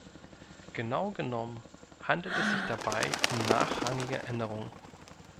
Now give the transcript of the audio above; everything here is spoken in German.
Genau genommen handelt es sich dabei um nachrangige Änderungen.